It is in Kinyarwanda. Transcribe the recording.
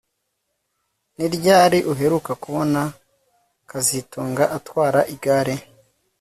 Ni ryari uheruka kubona kazitunga atwara igare